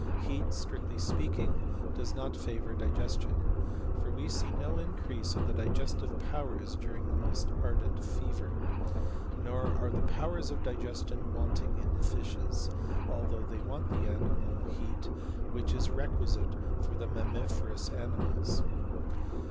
Heat, strictly speaking, does not favour digestion; for we see no increase of the digestive powers during the most ardent fever. Nor are the powers of digestion wanting in fishes, although they want the animal heat which is requisite for mammiferous animals.